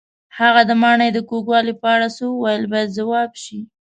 هغه د ماڼۍ د کوږوالي په اړه څه وویل باید ځواب شي.